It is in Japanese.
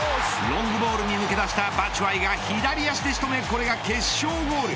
ロングボールに抜け出したバチュアイが左足で仕留めこれが決勝ゴール。